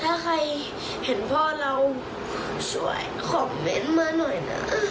ถ้าใครเห็นพ่อเราช่วยคอมเมนต์มาหน่อยนะ